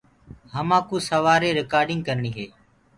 همآڪوُ سوآري رِڪآرڊيٚنگ ڪرڻي هي۔